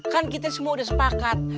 kan kita semua udah sepakat